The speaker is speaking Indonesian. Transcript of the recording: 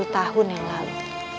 empat puluh tahun yang lalu